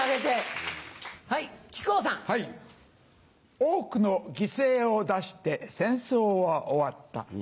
多くの犠牲を出して戦争は終わった。